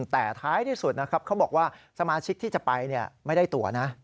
แต่ท้ายที่สุดนะครับเขาบอกว่าสมาชิกที่จะไปไม่ได้ตัวนะ